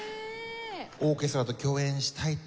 オーケストラと共演したいという。